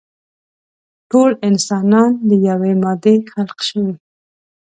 ټول انسانان له يوې مادې خلق شوي.